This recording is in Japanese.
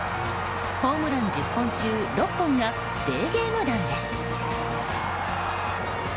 ホームラン１０本中６本がデーゲーム弾です。